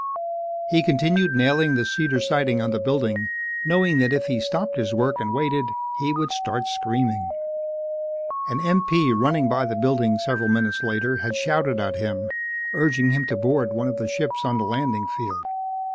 He had continued nailing the cedar siding on the building, knowing that if he stopped his work and waited, he would start screaming. An MP running by the building several minutes later had shouted at him, urging him to board one of the ships on the landing field.